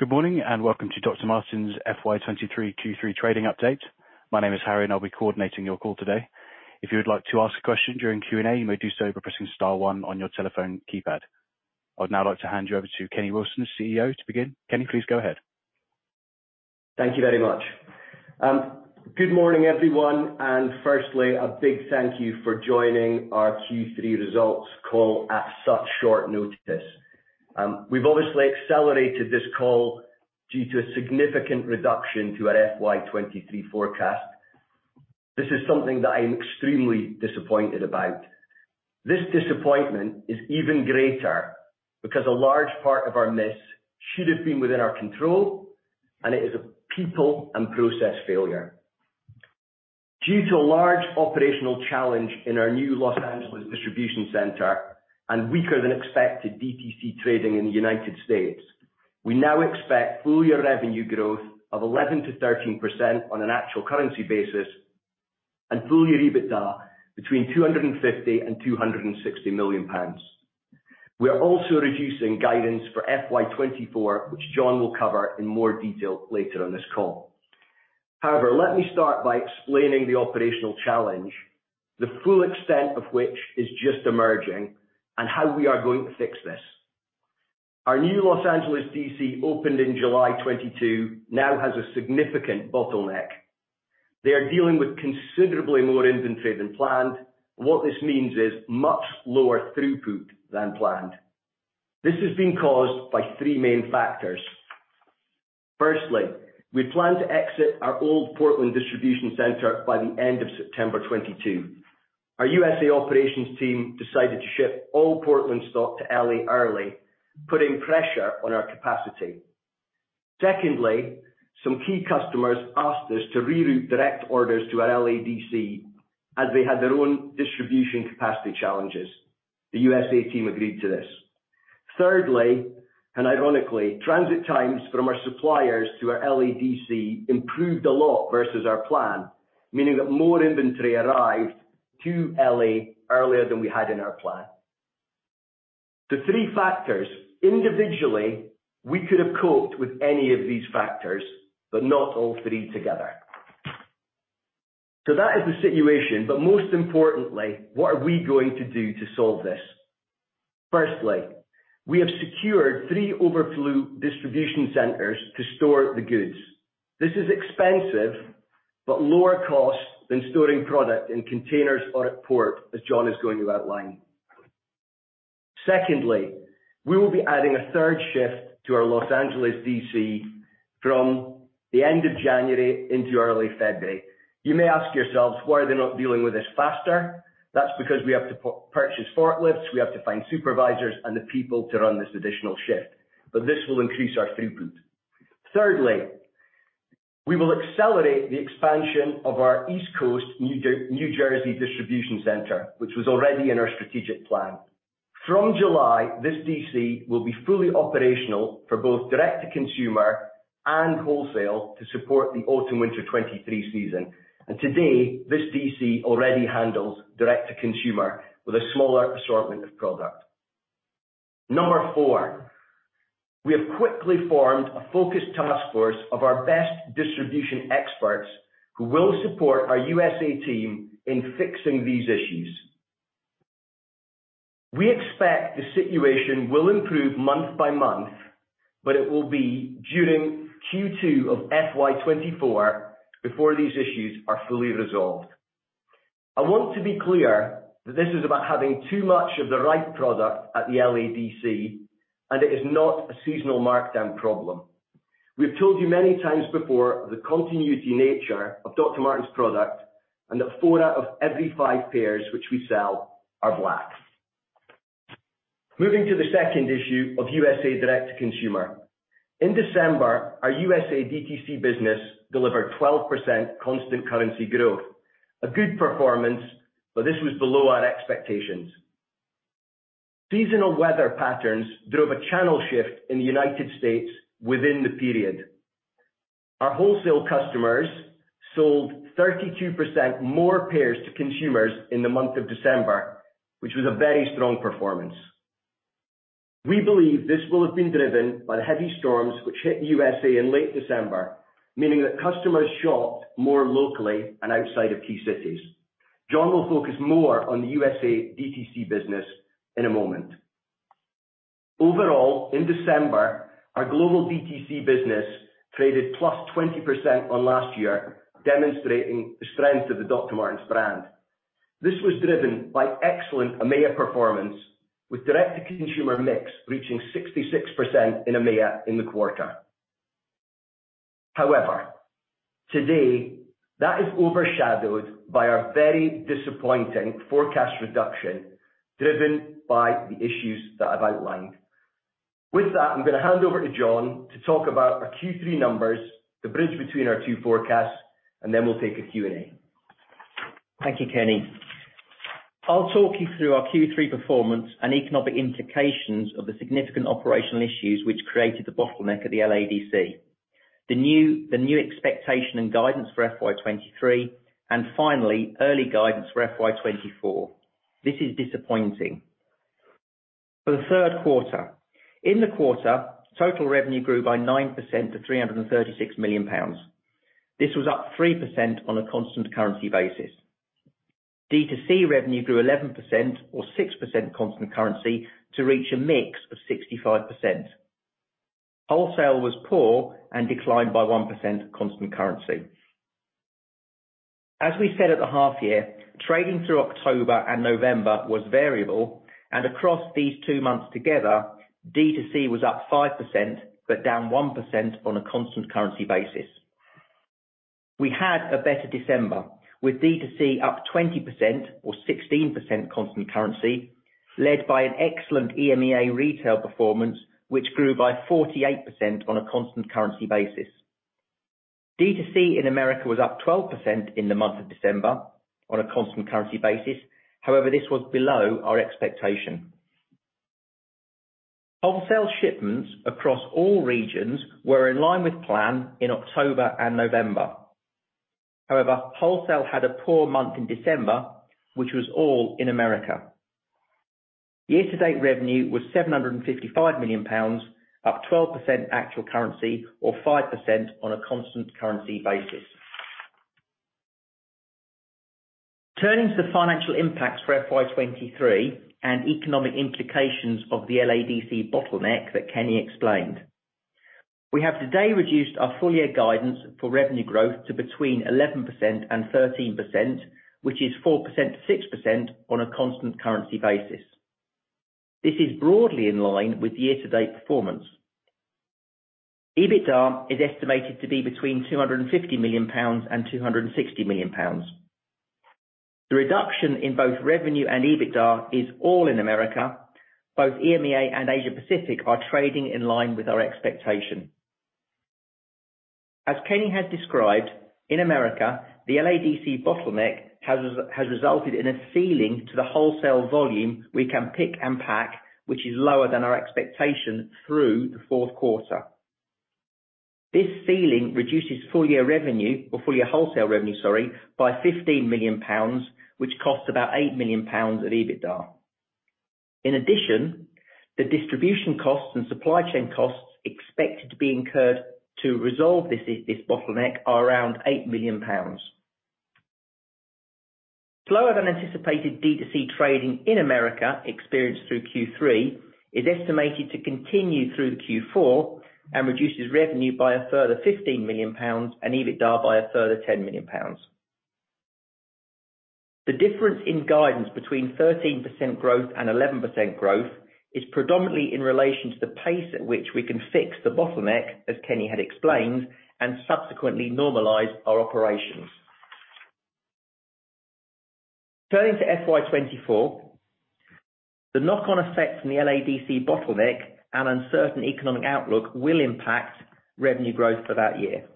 Good morning, and welcome to Dr. Martens' FY 2023 Q3 trading update. My name is Harry, I'll be coordinating your call today. If you would like to ask a question during Q&A, you may do so by pressing star one on your telephone keypad. I would now like to hand you over to Kenny Wilson, CEO, to begin. Kenny, please go ahead. Thank you very much. Good morning, everyone. Firstly, a big thank you for joining our Q3 results call at such short notice. We've obviously accelerated this call due to a significant reduction to our FY 2023 forecast. This is something that I'm extremely disappointed about. This disappointment is even greater because a large part of our miss should have been within our control, and it is a people and process failure. Due to a large operational challenge in our new Los Angeles Distribution Center and weaker than expected DTC trading in the United States, we now expect full year revenue growth of 11%-13% on an actual currency basis and full year EBITDA between 250 million-260 million pounds. We are also reducing guidance for FY 2024, which Jon will cover in more detail later on this call. Let me start by explaining the operational challenge, the full extent of which is just emerging and how we are going to fix this. Our new Los Angeles D.C., which opened in July 22, now has significant bottleneck. They are dealing with considerably more inventory than planned and what this means is much lower throughput than planned. This has been caused by three main factors. Firstly, we planned to exit our old Portland DC by the end of September 2022. Our U.S. operations team decided to ship all Portland stock to L.A. early, putting pressure on our capacity. Secondly, some key customers asked us to reroute direct orders to our L.A. D.C. as they had their own distribution capacity challenges. The USA team agreed to this. Thirdly, ironically, transit times from our suppliers to our L.A. D.C. improved a lot versus our plan, meaning that more inventory arrived to L.A. earlier than we had in our plan. The three factors. Individually, we could have coped with any of these factors, not all three together. That is the situation, most importantly, what are we going to do to solve this? Firstly, we have secured three overflow distribution centers to store the goods. This is expensive, but lower cost than storing product in containers or at port, as Jon is going to outline. Secondly, we will be adding a third shift to our Los Angeles D.C. from the end of January into early February. You may ask yourselves, why are they not dealing with this faster? That's because we have to purchase forklifts, we have to find supervisors and the people to run this additional shift. This will increase our throughput. Thirdly, we will accelerate the expansion of our East Coast New Jersey distribution center, which was already in our strategic plan. From July, this DC will be fully operational for both direct to consumer and wholesale to support the Autumn/Winter 2023 season. Today, this DC already handles direct to consumer with a smaller assortment of product. Number four, we have quickly formed a focused task force of our best distribution experts who will support our USA team in fixing these issues. We expect the situation will improve month by month, it will be during Q2 of FY 2024 before these issues are fully resolved. I want to be clear that this is about having too much of the right product at the LA DC. It is not a seasonal markdown problem. We've told you many times before the continuity nature of Dr. Martens product and that four out of every five pairs which we sell are black. Moving to the second issue of USA direct to consumer. In December, our USA DTC business delivered 12% constant currency growth. A good performance. This was below our expectations. Seasonal weather patterns drove a channel shift in the United States within the period. Our wholesale customers sold 32% more pairs to consumers in the month of December, which was a very strong performance. We believe this will have been driven by the heavy storms which hit USA in late December, meaning that customers shopped more locally and outside of key cities. Jon will focus more on the USA DTC business in a moment. Overall, in December, our global DTC business traded +20% on last year, demonstrating the strength of the Dr. Martens brand. This was driven by excellent EMEA performance, with direct to consumer mix reaching 66% in EMEA in the quarter. Today, that is overshadowed by our very disappointing forecast reduction driven by the issues that I've outlined. With that, I'm gonna hand over to Jon to talk about our Q3 numbers, the bridge between our two forecasts, and then we'll take a Q&A. Thank you, Kenny. I'll talk you through our Q3 performance and economic implications of the significant operational issues which created the bottleneck at the LA DC. The new expectation and guidance for FY23. Finally early guidance for FY 2024. This is disappointing. For the third quarter, in the quarter, total revenue grew by 9% to 336 million pounds. This was up 3% on a constant currency basis. D2C revenue grew 11% or 6% constant currency to reach a mix of 65%. Wholesale was poor and declined by 1% constant currency. As we said at the half year, trading through October and November was variable, and across these two months together, D2C was up 5% but down 1% on a constant currency basis. We had a better December, with D2C up 20% or 16% constant currency, led by an excellent EMEA retail performance, which grew by 48% on a constant currency basis. D2C in America was up 12% in the month of December on a constant currency basis. This was below our expectation. Wholesale shipments across all regions were in line with plan in October and November. Wholesale had a poor month in December, which was all in America. Year-to-date revenue was 755 million pounds, up 12% actual currency or 5% on a constant currency basis. Turning to the financial impacts for FY 2023 and economic implications of the LADC bottleneck that Kenny explained. We have today reduced our full year guidance for revenue growth to between 11% and 13%, which is 4% to 6% on a constant currency basis. This is broadly in line with year-to-date performance. EBITDA is estimated to be between 250 million pounds and 260 million pounds. The reduction in both revenue and EBITDA is all in America. Both EMEA and Asia Pacific are trading in line with our expectation. As Kenny has described, in America, the LA DC bottleneck has resulted in a ceiling to the wholesale volume we can pick and pack, which is lower than our expectation through the fourth quarter. This ceiling reduces full year revenue or full year wholesale revenue, sorry, by 15 million pounds, which costs about 8 million pounds of EBITDA. In addition, the distribution costs and supply chain costs expected to be incurred to resolve this bottleneck are around 8 million pounds. Slower than anticipated D2C trading in America experienced through Q3 is estimated to continue through Q4 and reduces revenue by a further 15 million pounds and EBITDA by a further 10 million pounds. The difference in guidance between 13% growth and 11% growth is predominantly in relation to the pace at which we can fix the bottleneck, as Kenny had explained, and subsequently normalize our operations. Turning to FY 2024, the knock on effect from the LA DC bottleneck and uncertain economic outlook will impact revenue growth for that year.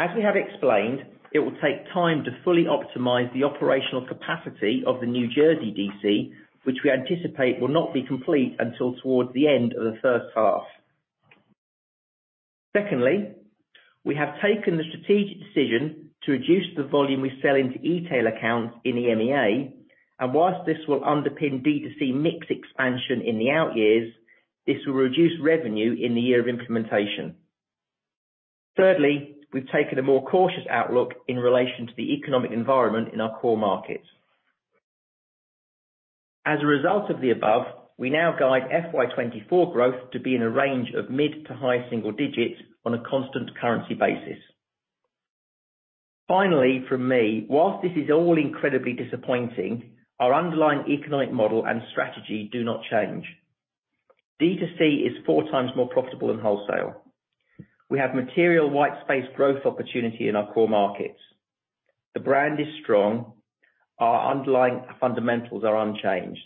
As we have explained, it will take time to fully optimize the operational capacity of the New Jersey DC, which we anticipate will not be complete until towards the end of the first half. Secondly, we have taken the strategic decision to reduce the volume we sell into e-tail accounts in EMEA, and whilst this will underpin D2C mix expansion in the out years, this will reduce revenue in the year of implementation. Thirdly, we've taken a more cautious outlook in relation to the economic environment in our core markets. As a result of the above, we now guide FY 2024 growth to be in a range of mid to high single digits on a constant currency basis. Finally, from me, whilst this is all incredibly disappointing, our underlying economic model and strategy do not change. D2C is four times more profitable than wholesale. We have material white space growth opportunity in our core markets. The brand is strong. Our underlying fundamentals are unchanged.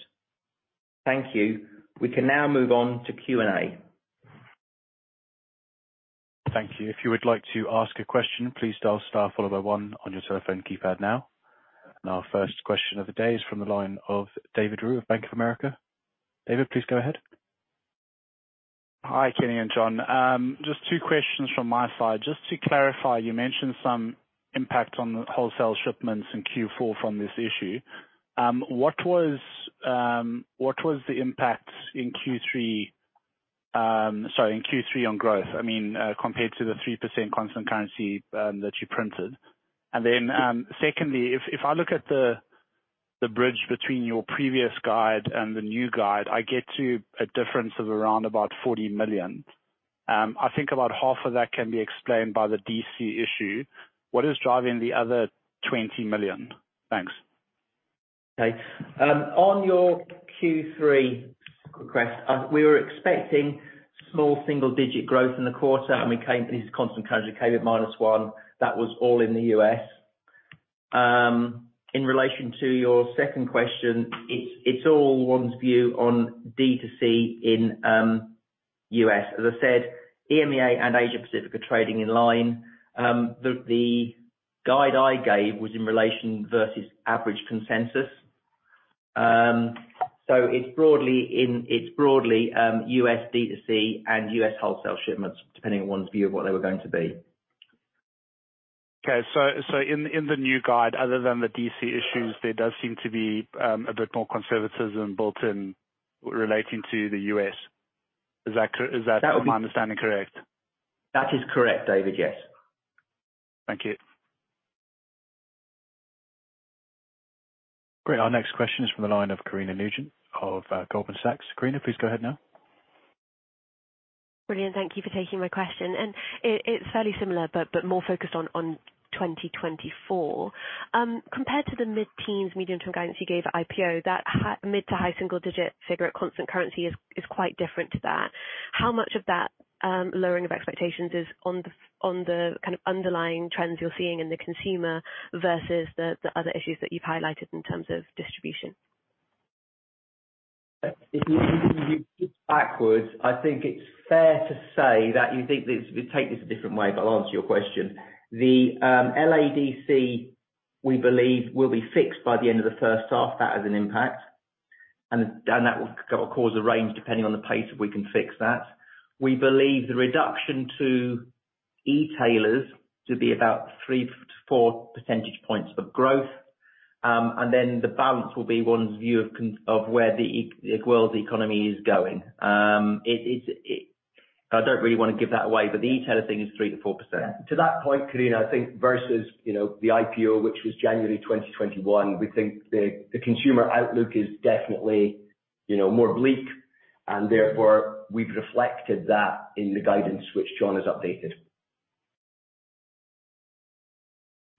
Thank you. We can now move on to Q&A. Thank you. If you would like to ask a question, please dial star followed by 1 on your telephone keypad now. Our first question of the day is from the line of David Roux of Bank of America. David, please go ahead. Hi, Kenny and Jon. Just two questions from my side. Just to clarify, you mentioned some impact on the wholesale shipments in Q4 from this issue. What was, what was the impact in Q3, sorry, in Q3 on growth, I mean, compared to the 3% constant currency that you printed? Secondly, if I look at the bridge between your previous guide and the new guide, I get to a difference of around about 40 million. I think about half of that can be explained by the DC issue. What is driving the other 20 million? Thanks. On your Q3 request, we were expecting small single-digit growth in the quarter and we came, this is constant currency, came at -1%. That was all in the U.S. In relation to your second question, it's all one's view on D2C in U.S. As I said, EMEA and Asia Pacific are trading in line. The guide I gave was in relation versus average consensus. So it's broadly U.S. D2C and U.S. wholesale shipments, depending on one's view of what they were going to be. Okay. In the new guide, other than the D.C. issues, there does seem to be a bit more conservatism built in relating to the U.S. Is that? That would be- My understanding correct? That is correct, David. Yes. Thank you. Great. Our next question is from the line of Karina Nugent of Goldman Sachs. Karina, please go ahead now. Brilliant. Thank you for taking my question. It's fairly similar, but more focused on 2024. Compared to the mid-teens medium-term guidance you gave at IPO, that mid to high single digit figure at constant currency is quite different to that. How much of that lowering of expectations is on the kind of underlying trends you're seeing in the consumer versus the other issues that you've highlighted in terms of distribution? If you flip backwards, I think it's fair to say that Take this a different way. I'll answer your question. The LADC, we believe will be fixed by the end of the first half. That has an impact, and that will cause a range depending on the pace that we can fix that. We believe the reduction to e-tailers to be about 3 to 4 percentage points of growth. The balance will be one's view of where the world's economy is going. I don't really wanna give that away. The e-tailer thing is 3% to 4%. To that point, Karina, I think versus, you know, the IPO, which was January 2021, we think the consumer outlook is definitely, you know, more bleak, and therefore, we've reflected that in the guidance which Jon has updated.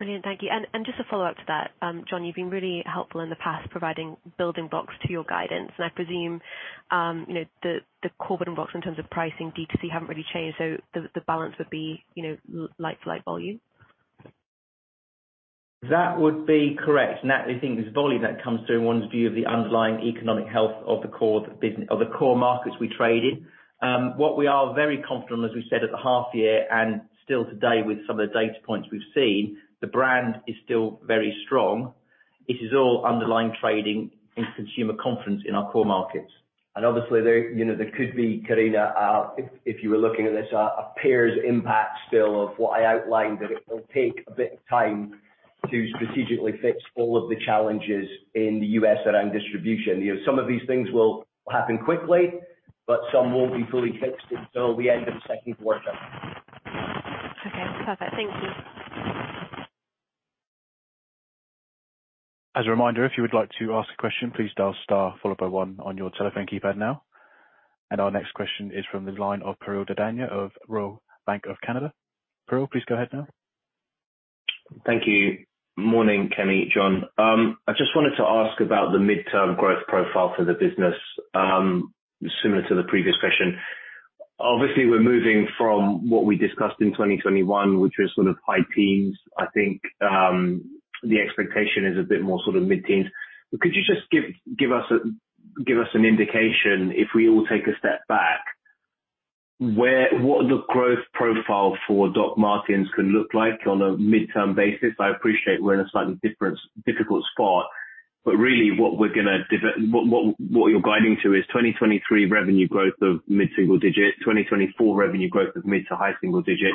Brilliant. Thank you. Just a follow-up to that. Jon, you've been really helpful in the past providing building blocks to your guidance, and I presume, you know, the core building blocks in terms of pricing D2C haven't really changed, so the balance would be, you know, like for like volume. That would be correct. That we think is volume that comes through in one's view of the underlying economic health of the core of the core markets we trade in. What we are very confident in, as we said at the half year and still today with some of the data points we've seen, the brand is still very strong. It is all underlying trading and consumer confidence in our core markets. Obviously there, you know, there could be, Karina, if you were looking at this, a peer's impact still of what I outlined, that it will take a bit of time to strategically fix all of the challenges in the U.S. around distribution. You know, some of these things will happen quickly, but some won't be fully fixed until the end of the second quarter. Okay. Perfect. Thank you. As a reminder, if you would like to ask a question, please dial star followed by one on your telephone keypad now. Our next question is from the line of Piral Dadhania of Royal Bank of Canada. Piral, please go ahead now. Thank you. Morning, Kenny, Jon. I just wanted to ask about the midterm growth profile for the business, similar to the previous question. Obviously, we're moving from what we discussed in 2021, which was sort of high teens. I think the expectation is a bit more sort of mid-teens. Could you just give us an indication, if we all take a step back, what the growth profile for Dr. Martens can look like on a midterm basis? I appreciate we're in a slightly different difficult spot, but really what you're guiding to is 2023 revenue growth of mid-single digit, 2024 revenue growth of mid to high single digit.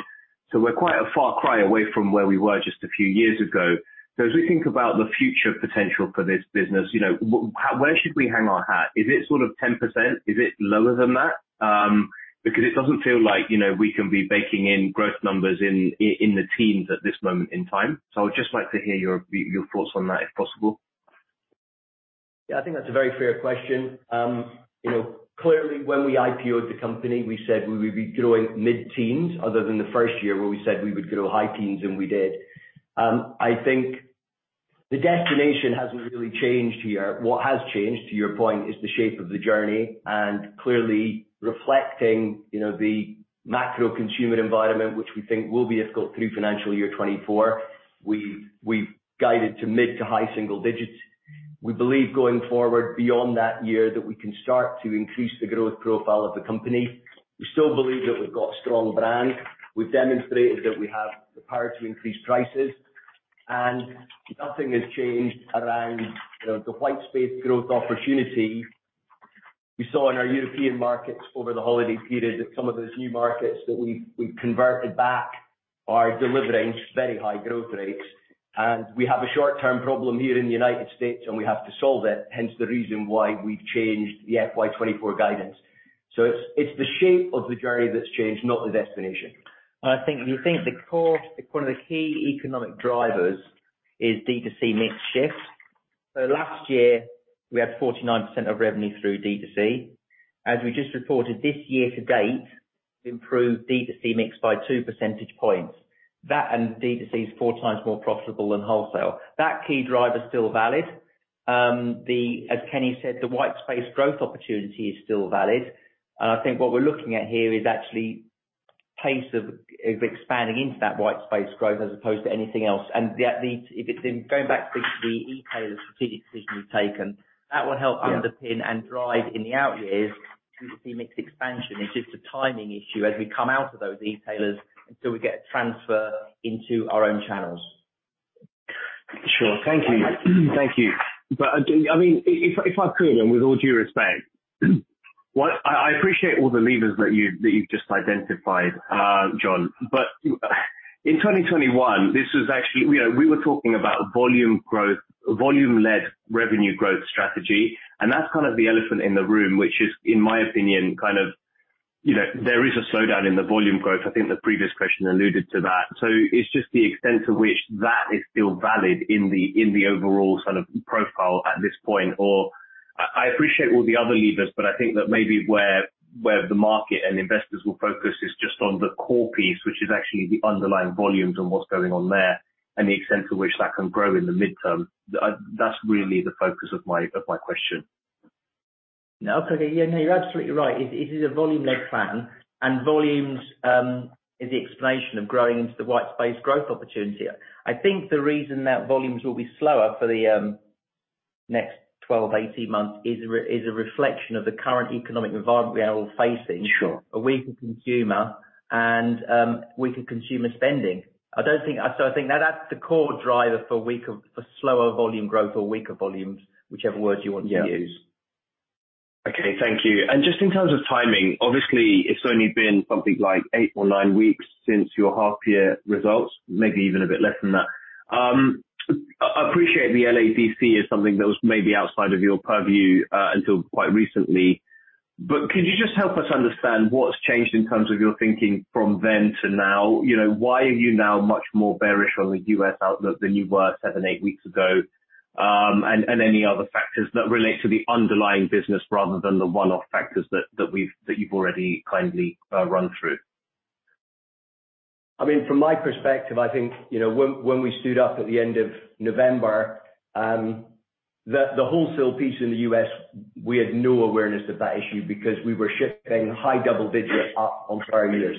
We're quite a far cry away from where we were just a few years ago. As we think about the future potential for this business, you know, where should we hang our hat? Is it sort of 10%? Is it lower than that? Because it doesn't feel like, you know, we can be baking in growth numbers in the teens at this moment in time. I would just like to hear your thoughts on that if possible. Yeah, I think that's a very fair question. You know, clearly when we IPO'd the company, we said we would be growing mid-teens other than the first year where we said we would grow high teens, and we did. I think the destination hasn't really changed here. What has changed, to your point, is the shape of the journey, and clearly reflecting, you know, the macro consumer environment, which we think will be difficult through FY 2024. We've guided to mid to high single digits. We believe going forward beyond that year, that we can start to increase the growth profile of the company. We still believe that we've got strong brand. We've demonstrated that we have the power to increase prices, and nothing has changed around the white space growth opportunity. We saw in our European markets over the holiday period that some of those new markets that we've converted back are delivering very high growth rates. We have a short-term problem here in the United States, and we have to solve it, hence the reason why we've changed the FY24 guidance. It's the shape of the journey that's changed, not the destination. I think if you think at the core, one of the key economic drivers is D2C mix shift. Last year we had 49% of revenue through D2C. As we just reported, this year to date, we've improved D2C mix by 2 percentage points. That and D2C is 4x more profitable than wholesale. That key driver is still valid. As Kenny said, the white space growth opportunity is still valid. I think what we're looking at here is actually pace of expanding into that white space growth as opposed to anything else. The at least if it's in going back to the e-tailer strategic decision we've taken, that will help underpin. Yeah. Drive in the out years D2C mix expansion. It's just a timing issue as we come out of those e-tailers until we get a transfer into our own channels. Well, thank you. Thank you. I mean, if I could, and with all due respect, what I appreciate all the levers that you've just identified, Jon, but in 2021, this was actually. We were talking about volume growth, volume-led revenue growth strategy, and that's kind of the elephant in the room, which is, in my opinion, kind of, you know. There is a slowdown in the volume growth. I think the previous question alluded to that. It's just the extent to which that is still valid in the, in the overall sort of profile at this point, or. I appreciate all the other levers, but I think that maybe where the market and investors will focus is just on the core piece, which is actually the underlying volumes and what's going on there and the extent to which that can grow in the midterm. That's really the focus of my question. No. Okay. Yeah, no, you're absolutely right. It is a volume-led plan and volumes is the explanation of growing into the white space growth opportunity. I think the reason that volumes will be slower for the next 12 to 18 months is a reflection of the current economic environment we are all facing. Sure. A weaker consumer and, weaker consumer spending. I think that's the core driver for slower volume growth or weaker volumes, whichever words you want to use. Yeah. Okay, thank you. Just in terms of timing, obviously it's only been something like eight or nine weeks since your half year results, maybe even a bit less than that. I appreciate the LA DC is something that was maybe outside of your purview until quite recently. Could you just help us understand what's changed in terms of your thinking from then to now? You know, why are you now much more bearish on the U.S. outlook than you were seven, eight weeks ago? And any other factors that relate to the underlying business rather than the one-off factors that we've, that you've already kindly run through. I mean, from my perspective, I think, you know, when we stood up at the end of November, the wholesale piece in the U.S., we had no awareness of that issue because we were shifting high double digits up on prior year.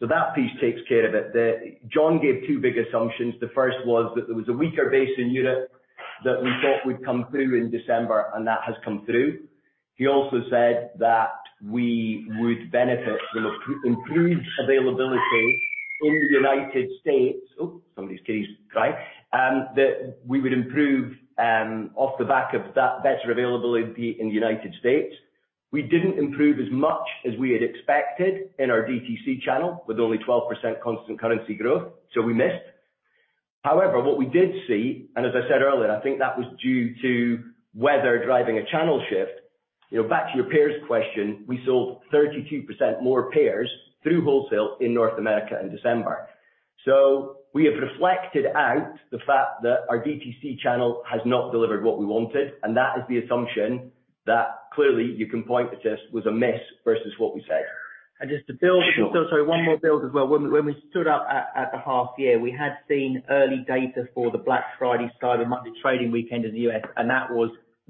That piece takes care of it. Jon gave two big assumptions. The first was that there was a weaker base in Europe that we thought would come through in December. That has come through. He also said that we would benefit from improved availability in the United States. Oh, somebody's kid is crying. That we would improve off the back of that better availability in the United States. We didn't improve as much as we had expected in our DTC channel with only 12% constant currency growth. We missed. What we did see, as I said earlier, I think that was due to weather driving a channel shift. You know, back to your pairs question, we sold 32% more pairs through wholesale in North America in December. We have reflected out the fact that our DTC channel has not delivered what we wanted, that is the assumption that clearly you can point to just was a miss versus what we said. And just to build- Sure. Sorry, one more build as well. When we stood up at the half year, we had seen early data for the Black Friday, Cyber Monday trading weekend in the U.S., that was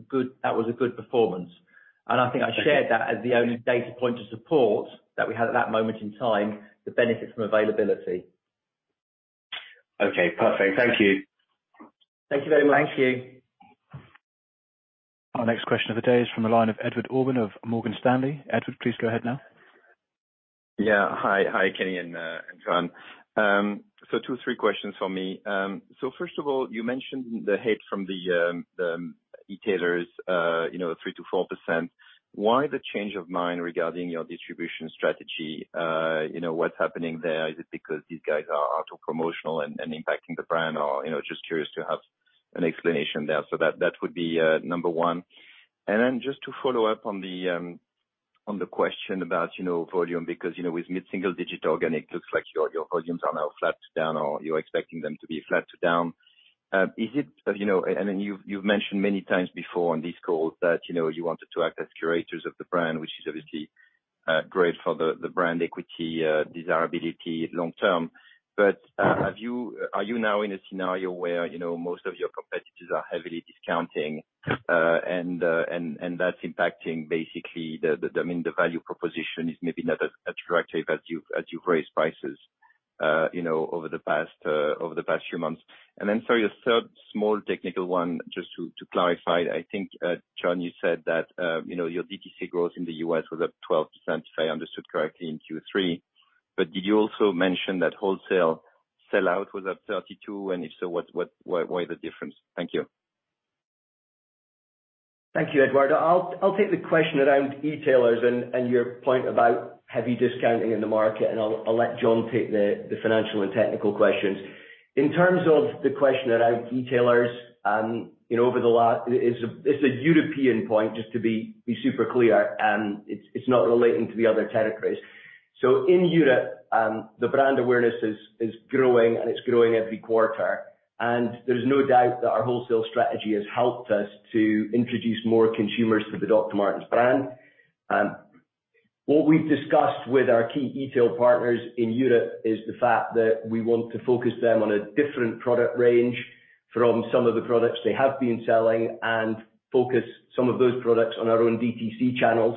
good, that was a good performance. I think I shared that as the only data point of support that we had at that moment in time, the benefits from availability. Okay, perfect. Thank you. Thank you very much. Thank you. Our next question of the day is from the line of Edouard Aubin of Morgan Stanley. Edouard, please go ahead now. Yeah. Hi. Hi, Kenny and Jon. two, three questions from me. First of all, you mentioned the hit from the e-tailers, you know, 3%-4%. Why the change of mind regarding your distribution strategy? You know, what's happening there? Is it because these guys are auto promotional and impacting the brand or? You know, just curious to have an explanation there. That would be number one. Then just to follow up on the question about, you know, volume because, you know, with mid-single digit organic, looks like your volumes are now flat to down or you're expecting them to be flat to down. Is it, you know, you've mentioned many times before on this call that, you know, you wanted to act as curators of the brand, which is obviously great for the brand equity, desirability long term. Are you now in a scenario where, you know, most of your competitors are heavily discounting, and that's impacting basically, I mean, the value proposition is maybe not as attractive as you've raised prices, you know, over the past few months. Sorry, a third small technical one, just to clarify. I think, Jon, you said that, you know, your DTC growth in the U.S. was up 12%, if I understood correctly in Q3. Did you also mention that wholesale sellout was up 32%? If so, what, why the difference? Thank you. Thank you, Edouard. I'll take the question around e-tailers and your point about heavy discounting in the market, and I'll let Jon take the financial and technical questions. In terms of the question around e-tailers, you know, It's a European point, just to be super clear. It's not relating to the other territories. In Europe, the brand awareness is growing, and it's growing every quarter. There's no doubt that our wholesale strategy has helped us to introduce more consumers to the Dr. Martens brand. What we've discussed with our key retail partners in Europe is the fact that we want to focus them on a different product range from some of the products they have been selling and focus some of those products on our own DTC channels.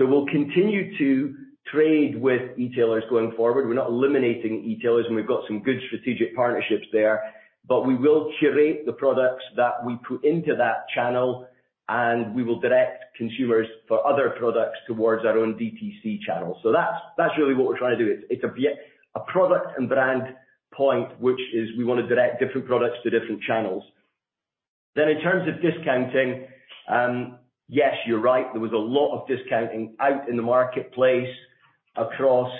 We'll continue to trade with e-tailers going forward. We're not eliminating e-tailers, and we've got some good strategic partnerships there. We will curate the products that we put into that channel. We will direct consumers for other products towards our own DTC channel. That's really what we're trying to do. It's a product and brand point, which is we wanna direct different products to different channels. In terms of discounting, yes, you're right. There was a lot of discounting out in the marketplace across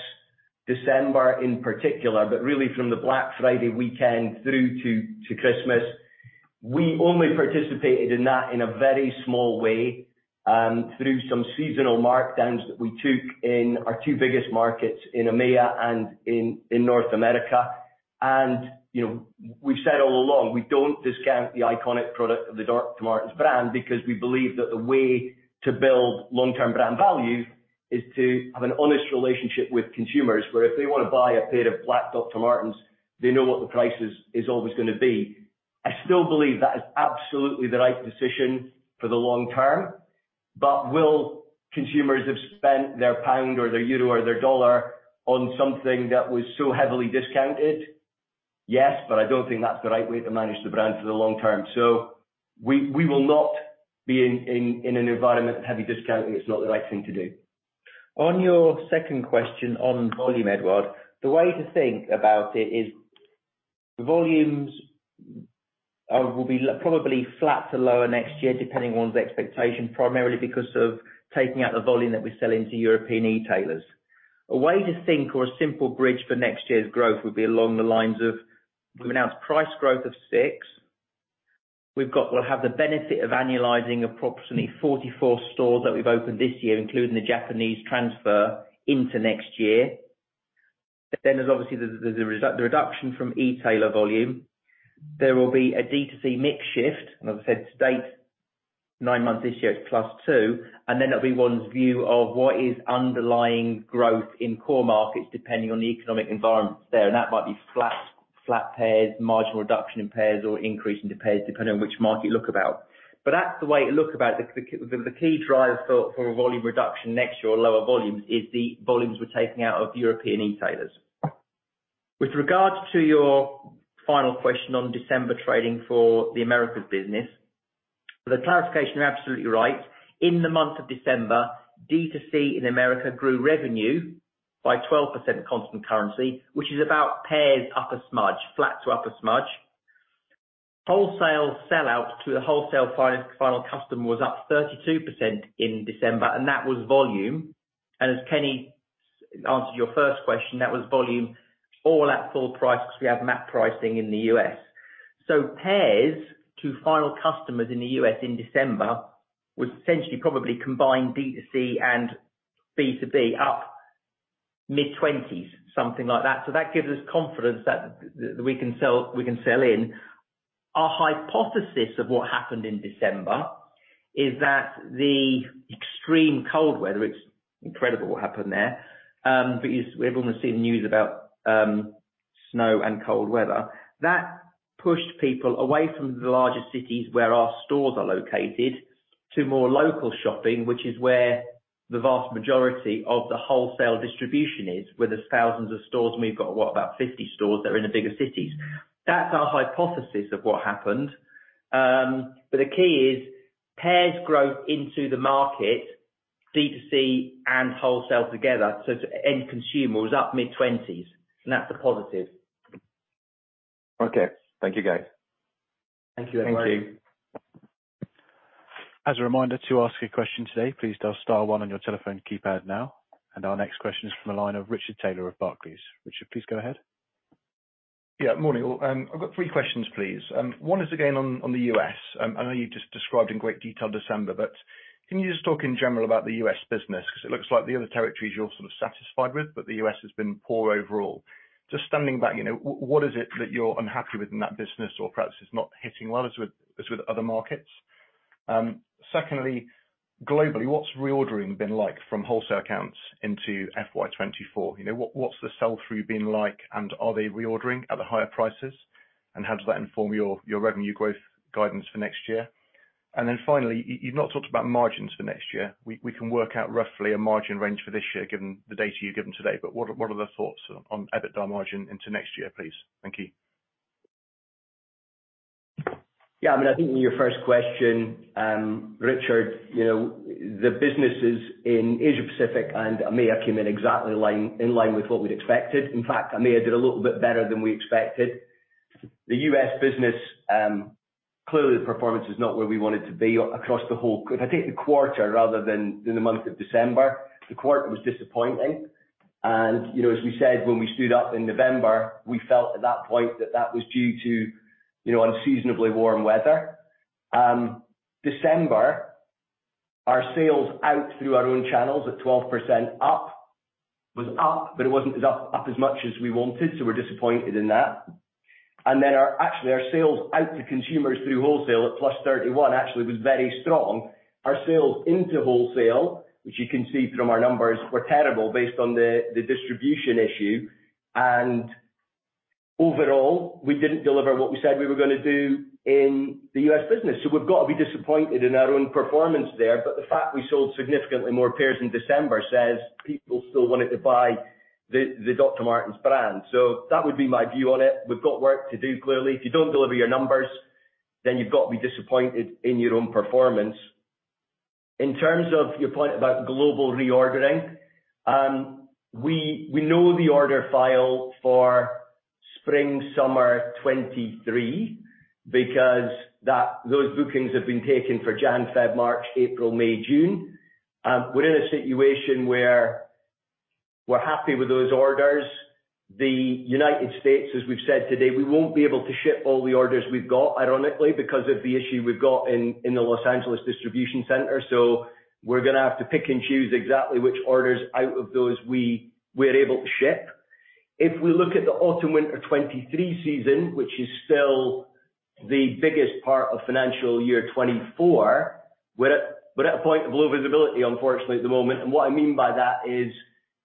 December in particular, but really from the Black Friday weekend through to Christmas. We only participated in that in a very small way, through some seasonal markdowns that we took in our two biggest markets in EMEA and in North America. You know, we've said all along, we don't discount the iconic product of the Dr. Martens brand because we believe that the way to build long-term brand value is to have an honest relationship with consumers, where if they wanna buy a pair of black Dr. Martens, they know what the price is always gonna be. I still believe that is absolutely the right decision for the long term. Will consumers have spent their pound or their euro or their dollar on something that was so heavily discounted? Yes, but I don't think that's the right way to manage the brand for the long term. We will not be in an environment of heavy discounting. It's not the right thing to do. On your second question on volume, Edouard, the way to think about it is volumes will probably flat to lower next year, depending on one's expectation, primarily because of taking out the volume that we sell into European e-tailers. A way to think or a simple bridge for next year's growth would be along the lines of we've announced price growth of 6%. We'll have the benefit of annualizing approximately 44 stores that we've opened this year, including the Japanese transfer into next year. There's obviously the reduction from e-tailer volume. There will be a D2C mix shift. As I said, to date, nine months this year, it's +2%, and then it'll be one's view of what is underlying growth in core markets, depending on the economic environments there. That might be flat pairs, marginal reduction in pairs or increase in the pairs, depending on which market you look about. That's the way to look about the key drivers for a volume reduction next year or lower volumes is the volumes we're taking out of European e-tailers. With regards to your final question on December trading for the Americas business. For the clarification, you're absolutely right. In the month of December, D2C in America grew revenue by 12% constant currency, which is about pairs up a smudge, flat to up a smudge. Wholesale sell out to the wholesale final customer was up 32% in December, and that was volume. As Kenny answered your first question, that was volume all at full price because we have MAP pricing in the U.S. Pairs to final customers in the U.S. in December was essentially probably combined D2C and B2B up mid-20%s, something like that. That gives us confidence that we can sell, we can sell in. Our hypothesis of what happened in December is that the extreme cold weather, it's incredible what happened there, because everyone was seeing the news about snow and cold weather. That pushed people away from the larger cities where our stores are located to more local shopping, which is where the vast majority of the wholesale distribution is. Where there's thousands of stores, and we've got what? About 50 stores that are in the bigger cities. That's our hypothesis of what happened. The key is pairs growth into the market, D2C and wholesale together, so to end consumer was up mid-20%s, and that's a positive. Okay. Thank you, guys. Thank you, Edouard. Thank you. As a reminder to ask a question today, please dial star one on your telephone keypad now. Our next question is from the line of Richard Taylor of Barclays. Richard, please go ahead. Yeah. Morning, all. I've got three questions, please. One is again on the U.S. I know you just described in great detail December, but can you just talk in general about the U.S. business? 'Cause it looks like the other territories you're sort of satisfied with, but the U.S. has been poor overall. Just standing back, you know, what is it that you're unhappy with in that business or perhaps is not hitting well as with other markets? Secondly, globally, what's reordering been like from wholesale accounts into FY 2024? You know, what's the sell-through been like and are they reordering at the higher prices? How does that inform your revenue growth guidance for next year? Finally, you've not talked about margins for next year. We can work out roughly a margin range for this year given the data you've given today. What are the thoughts on EBITDA margin into next year, please? Thank you. Yeah. I mean, I think in your first question, Richard, you know, the businesses in Asia-Pacific and EMEA came in exactly in line with what we'd expected. In fact, EMEA did a little bit better than we expected. The U.S. business, clearly the performance is not where we want it to be across the whole... If I take the quarter rather than the month of December, the quarter was disappointing. You know, as we said, when we stood up in November, we felt at that point that that was due to, you know, unseasonably warm weather. December, our sales out through our own channels at 12% up was up, but it wasn't as up as much as we wanted. We're disappointed in that. Actually our sales out to consumers through wholesale at +31% actually was very strong. Our sales into wholesale, which you can see from our numbers, were terrible based on the distribution issue. Overall, we didn't deliver what we said we were gonna do in the U.S. business. We've got to be disappointed in our own performance there. The fact we sold significantly more pairs in December says people still wanted to buy the Dr. Martens brand. That would be my view on it. We've got work to do, clearly. If you don't deliver your numbers, then you've got to be disappointed in your own performance. In terms of your point about global reordering, we know the order file for Spring/Summer 2023 because those bookings have been taken for Jan, Feb, March, April, May, June. We're in a situation where we're happy with those orders. The United States, as we've said today, we won't be able to ship all the orders we've got, ironically, because of the issue we've got in the Los Angeles Distribution Center. We're gonna have to pick and choose exactly which orders out of those we're able to ship. If we look at the Autumn/Winter 2023 season, which is still the biggest part of FY 2024, we're at a point of low visibility, unfortunately, at the moment. What I mean by that is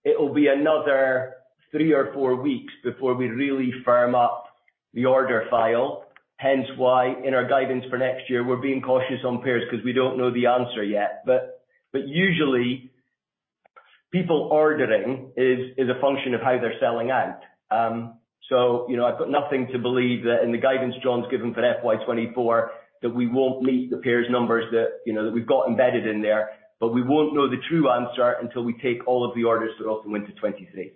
it will be another three or four weeks before we really firm up the order file. Hence why in our guidance for next year, we're being cautious on pairs because we don't know the answer yet. Usually people ordering is a function of how they're selling out. You know, I've got nothing to believe that in the guidance Jon's given for FY 2024, that we won't meet the pairs numbers that, you know, that we've got embedded in there. We won't know the true answer until we take all of the orders for Autumn/Winter 2023.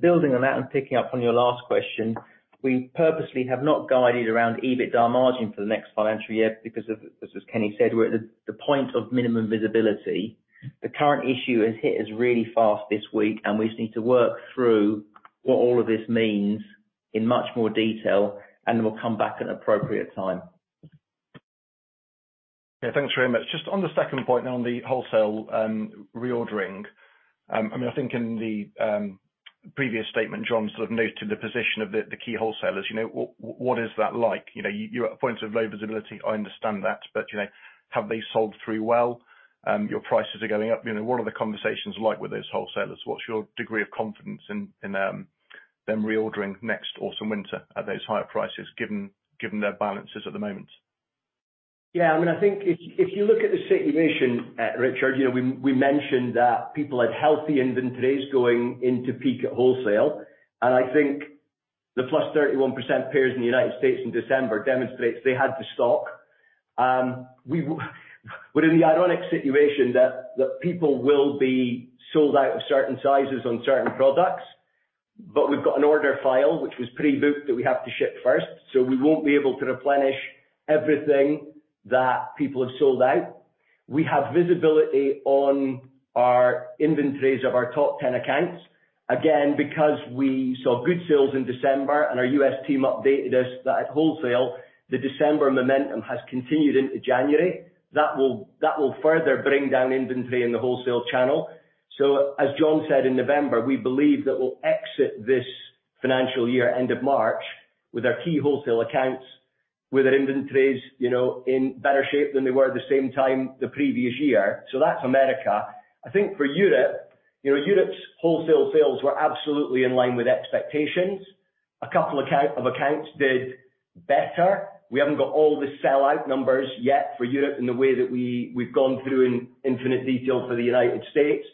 Building on that and picking up on your last question, we purposely have not guided around EBITDA margin for the next financial year because of, as Kenny said, we're at the point of minimum visibility. The current issue has hit us really fast this week. We just need to work through what all of this means in much more detail. We'll come back at an appropriate time. Yeah, thanks very much. Just on the second point now on the wholesale reordering, I mean, I think in the previous statement, Jon sort of noted the position of the key wholesalers. You know, what is that like? You know, you're at a point of low visibility, I understand that. You know, have they sold through well? Your prices are going up. You know, what are the conversations like with those wholesalers? What's your degree of confidence in them reordering next Autumn/Winter at those higher prices, given their balances at the moment? I mean, I think if you look at the situation, Richard, you know, we mentioned that people had healthy inventories going into peak at wholesale. I think the +31% pairs in the United States in December demonstrates they had the stock. We're in the ironic situation that people will be sold out of certain sizes on certain products, but we've got an order file which was pre-booked that we have to ship first. We won't be able to replenish everything that people have sold out. We have visibility on our inventories of our top 10 accounts. Again, because we saw good sales in December and our U.S. team updated us that at wholesale, the December momentum has continued into January. That will further bring down inventory in the wholesale channel. As Jon said in November, we believe that we'll exit this financial year, end of March, with our key wholesale accounts, with our inventories, you know, in better shape than they were at the same time the previous year. That's America. I think for Europe, you know, Europe's wholesale sales were absolutely in line with expectations. A couple of accounts did better. We haven't got all the sellout numbers yet for Europe in the way that we've gone through in infinite detail for the United States.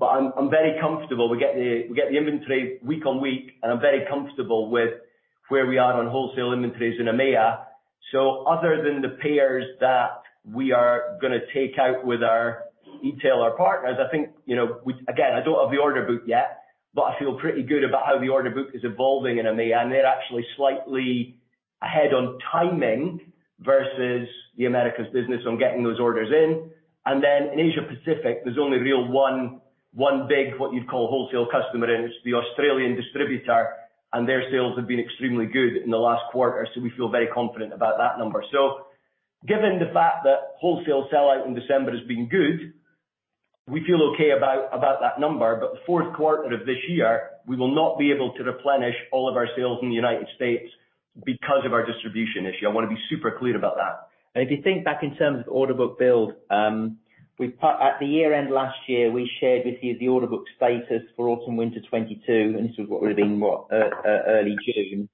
I'm very comfortable. We get the inventory week on week, and I'm very comfortable with where we are on wholesale inventories in EMEA. Other than the pairs that we are gonna take out with our retailer partners, I think, you know, Again, I don't have the order book yet, but I feel pretty good about how the order book is evolving in EMEA, and they're actually slightly ahead on timing versus the Americas business on getting those orders in. In Asia Pacific, there's only real one big, what you'd call wholesale customer, and it's the Australian distributor, and their sales have been extremely good in the last quarter. We feel very confident about that number. Given the fact that wholesale sellout in December has been good, we feel okay about that number. The fourth quarter of this year, we will not be able to replenish all of our sales in the United States because of our distribution issue. I wanna be super clear about that. If you think back in terms of order book build, at the year end last year, we shared with you the order book status for Autumn/Winter 2022, and this is what would have been early June.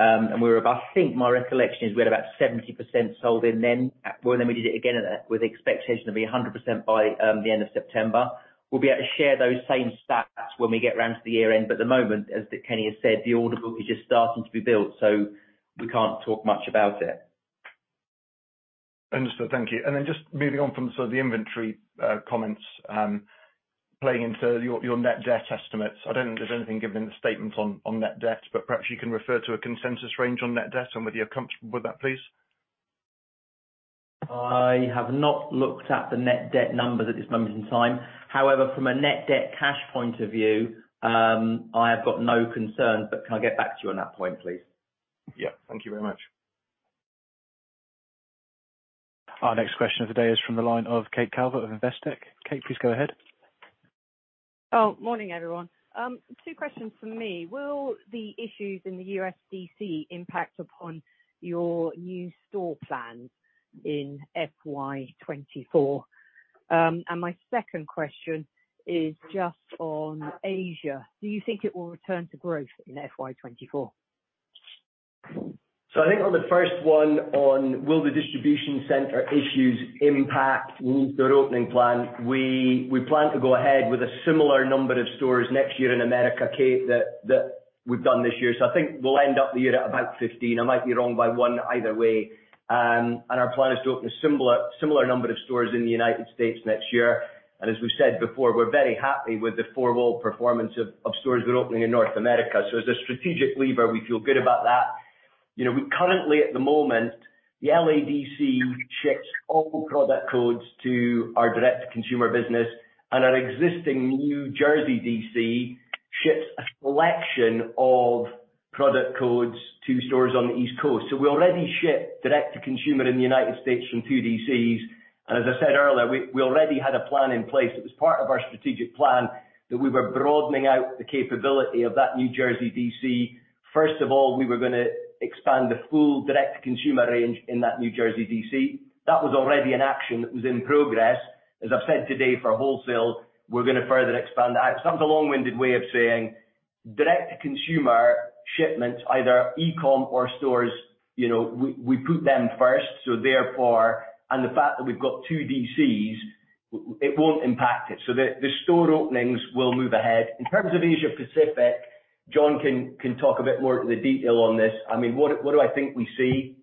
We were about, I think my recollection is we had about 70% sold then. Well, then we did it again with the expectation to be 100% by the end of September. We'll be able to share those same stats when we get around to the year end. At the moment, as Kenny has said, the order book is just starting to be built, so we can't talk much about it. Understood. Thank you. Just moving on from sort of the inventory comments, playing into your net debt estimates. I don't know if there's anything given in the statement on net debt, but perhaps you can refer to a consensus range on net debt and whether you're comfortable with that, please. I have not looked at the net debt numbers at this moment in time. However, from a net debt cash point of view, I have got no concerns, but can I get back to you on that point, please? Yeah. Thank you very much. Our next question of the day is from the line of Kate Calvert of Investec. Kate, please go ahead. Oh, morning, everyone. two questions from me. Will the issues in the USDC impact upon your new store plans in FY 2024? My second question is just on Asia. Do you think it will return to growth in FY 2024? I think on the first one on will the distribution center issues impact store opening plan, we plan to go ahead with a similar number of stores next year in America, Kate, that we've done this year. I think we'll end up the year at about 15. I might be wrong by one either way. And our plan is to open a similar number of stores in the United States next year. As we've said before, we're very happy with the four-wall performance of stores we're opening in North America. As a strategic lever, we feel good about that. You know, we currently at the moment, the LA DC ships all product codes to our direct-to-consumer business and our existing New Jersey DC ships a selection of product codes to stores on the East Coast. We already ship direct to consumer in the United States from two DCs. As I said earlier, we already had a plan in place. It was part of our strategic plan that we were broadening out the capability of that New Jersey DC. First of all, we were gonna expand the full direct to consumer range in that New Jersey DC. That was already an action that was in progress. As I've said today, for wholesale, we're gonna further expand that. That was a long-winded way of saying direct to consumer shipments, either e-com or stores, you know, we put them first, so therefore. The fact that we've got two DCs, it won't impact it. The store openings will move ahead. In terms of Asia Pacific, Jon can talk a bit more to the detail on this. I mean, what do I think we see?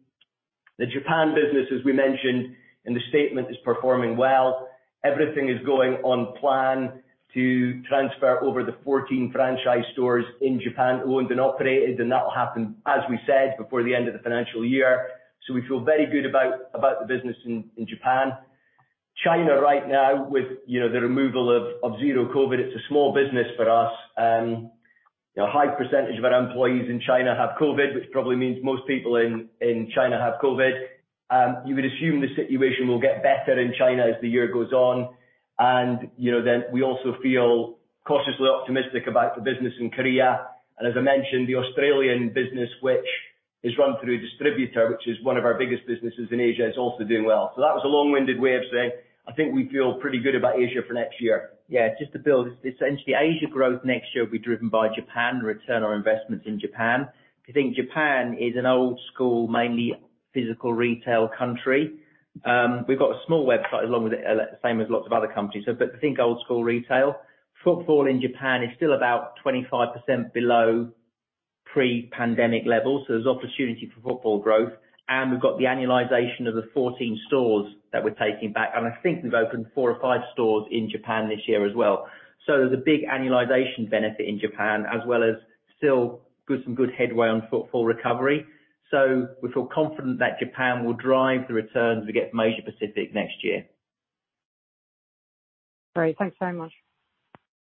The Japan business, as we mentioned in the statement, is performing well. Everything is going on plan to transfer over the 14 franchise stores in Japan owned and operated, and that will happen, as we said, before the end of the financial year. We feel very good about the business in Japan. China right now with, you know, the removal of zero COVID, it's a small business for us. You know, a high percentage of our employees in China have COVID, which probably means most people in China have COVID. You would assume the situation will get better in China as the year goes on. We also feel cautiously optimistic about the business in Korea. As I mentioned, the Australian business, which is run through distributor, which is one of our biggest businesses in Asia, is also doing well. That was a long-winded way of saying, I think we feel pretty good about Asia for next year. Yeah, just to build, essentially Asia growth next year will be driven by Japan, return on investments in Japan. If you think Japan is an old school, mainly physical retail country, we've got a small website along with it, same as lots of other countries. Think old school retail. Footfall in Japan is still about 25% below pre-pandemic levels, there's opportunity for footfall growth. We've got the annualization of the 14 stores that we're taking back. I think we've opened four or five stores in Japan this year as well. There's a big annualization benefit in Japan, as well as still good, some good headway on footfall recovery. We feel confident that Japan will drive the returns we get from Asia Pacific next year. Great. Thanks very much.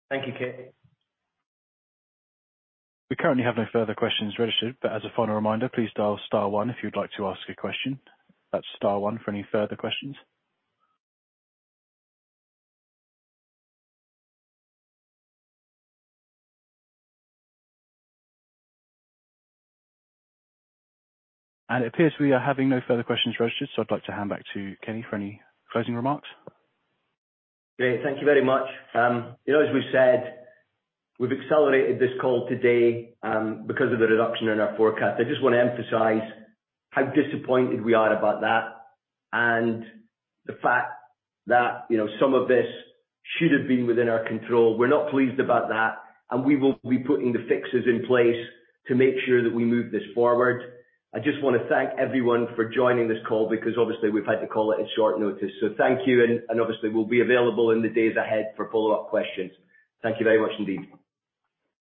Thank you, Kate. We currently have no further questions registered, as a final reminder, please dial star one if you'd like to ask a question. That's star one for any further questions. It appears we are having no further questions registered, I'd like to hand back to Kenny for any closing remarks. Great. Thank you very much. you know, as we said, we've accelerated this call today, because of the reduction in our forecast. I just wanna emphasize how disappointed we are about that and the fact that, you know, some of this should have been within our control. We're not pleased about that, and we will be putting the fixes in place to make sure that we move this forward. I just wanna thank everyone for joining this call because obviously we've had to call it at short notice. Thank you, and obviously we'll be available in the days ahead for follow-up questions. Thank you very much indeed.